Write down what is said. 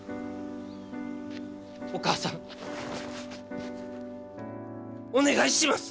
お母さんお願いします！